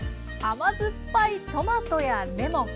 甘酸っぱいトマトやレモン。